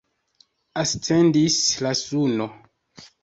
Ascendis la suno.